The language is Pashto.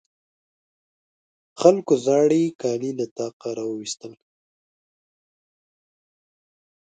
خلکو زاړې کالي له طاقه راواېستل.